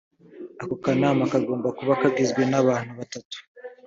ako kanama kagomba kuba kagizwe n abantu batatu